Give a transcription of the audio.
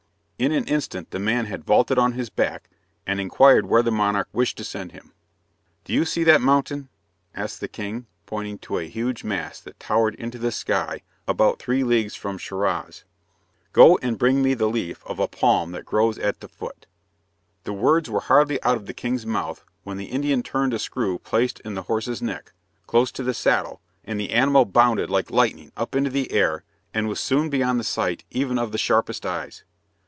In an instant the man had vaulted on his back, and inquired where the monarch wished to send him. "Do you see that mountain?" asked the king, pointing to a huge mass that towered into the sky about three leagues from Schiraz; "go and bring me the leaf of a palm that grows at the foot." The words were hardly out of the king's mouth when the Indian turned a screw placed in the horse's neck, close to the saddle, and the animal bounded like lightning up into the air, and was soon beyond the sight even of the sharpest eyes.